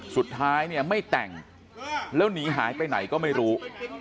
สุดท้ายเนี่ยไม่แต่งแล้วหนีหายไปไหนก็ไม่รู้